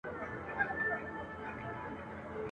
په هوا کي د مرغانو پروازونه !.